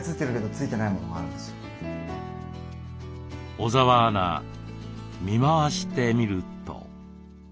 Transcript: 小澤アナ見回してみると。